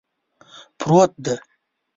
پروت دی